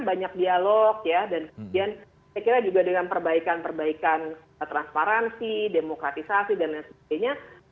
banyak dialog ya dan kemudian saya kira juga dengan perbaikan perbaikan transparansi demokratisasi dan lain sebagainya